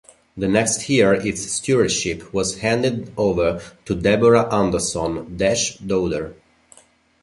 The next year its stewardship was handed over to Deborah Anderson, Desch's daughter.